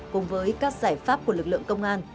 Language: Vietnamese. cùng với các giải pháp của lực lượng công an